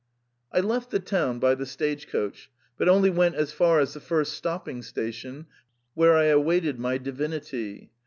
" I left the town by the stage coach, but only went as far as the first stopping station, where I awaited my divinity.